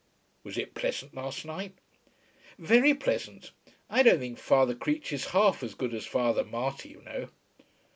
"Was it pleasant last night?" "Very pleasant. I don't think Father Creech is half as good as Father Marty, you know."